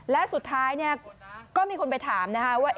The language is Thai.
และสุดท้ายก็มีคนไปถามนะคะว่า